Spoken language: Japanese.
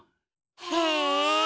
へえ！